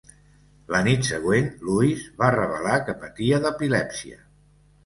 La nit següent, Lewis va revelar que patia d'epilèpsia.